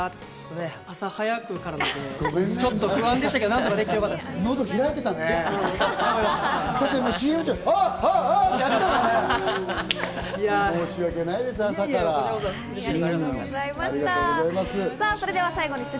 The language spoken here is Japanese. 朝早くからだとちょっと不安でしたけど、何とかできてよかったです。